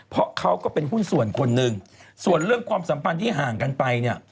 เพราะเขาก็เป็นหุ้นส่วนคนหนึ่งส่วนเรื่องความสัมพันธ์ที่ห่างกันไปเนี่ย